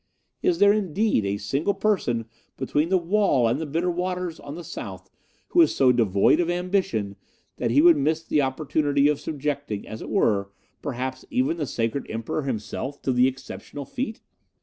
Is there, indeed, a single person between the Wall and the Bitter Waters on the South who is so devoid of ambition that he would miss the opportunity of subjecting, as it were, perhaps even the sacred Emperor himself to the exceptional feat?